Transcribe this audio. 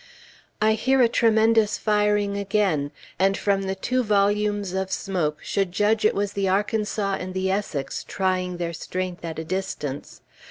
I hear a tremendous firing again, and from the two volumes of smoke, should judge it was the Arkansas and the Essex trying their strength at a distance.